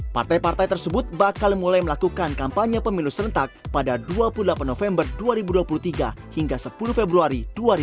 partai partai tersebut bakal mulai melakukan kampanye pemilu serentak pada dua puluh delapan november dua ribu dua puluh tiga hingga sepuluh februari dua ribu dua puluh